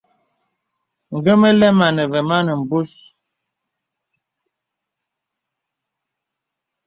Nge mə lə̀m āne və mān mbūs.